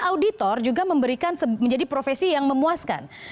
auditor juga memberikan menjadi profesi yang memuaskan